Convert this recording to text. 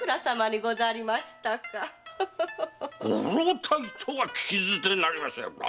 ご老体とは聞き捨てなりませぬな！